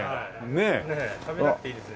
ねえ食べなくていいですね。